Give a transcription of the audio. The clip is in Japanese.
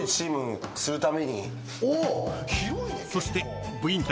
［そして］